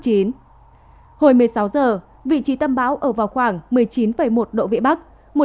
hồi một mươi sáu giờ vị trí tâm bão ở vào khoảng một mươi chín một độ vĩ bắc